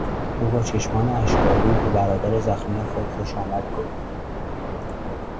او با چشمان اشک آلود به برادر زخمی خود خوش آمد گفت.